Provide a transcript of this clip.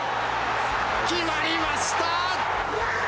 決まりました。